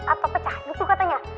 atau pecah gitu katanya